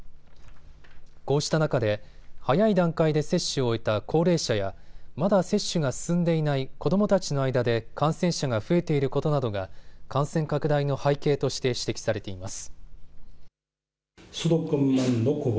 こうした中で早い段階で接種を終えた高齢者やまだ接種が進んでいない子どもたちの間で感染者が増えていることなどが感染拡大の背景として指摘されています。